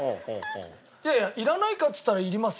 いやいやいらないかっつったらいりますよ。